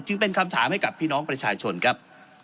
จึงเป็นคำถามให้กับพี่น้องประชาชนครับ